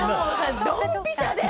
ドンピシャで。